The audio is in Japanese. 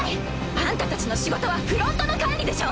あんたたちの仕事はフロントの管理でしょ！